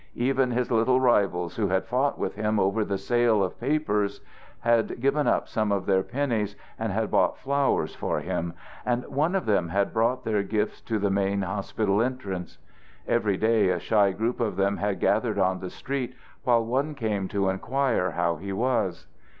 Even his little rivals who had fought with him over the sale of papers had given up some of their pennies and had bought flowers for him, and one of them had brought their gift to the main hospital entrance. Every day a shy group of them had gathered on the street while one came to inquire how he was.